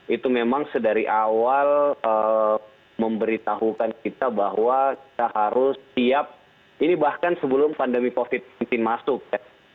itu memang sedari awal memberitahukan kita bahwa kita harus siap ini bahkan sebelum pandemi covid sembilan belas masuk ya